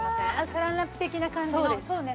サランラップ的な感じのそうね